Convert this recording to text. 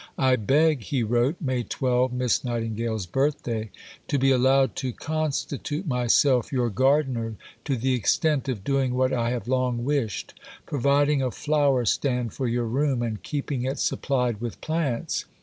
"I beg," he wrote (May 12, Miss Nightingale's birthday), "to be allowed to constitute myself your gardener to the extent of doing what I have long wished providing a flower stand for your room and keeping it supplied with plants.